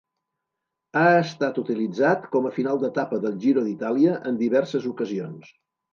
Ha estat utilitzat com a final d'etapa del Giro d'Itàlia en diverses ocasions.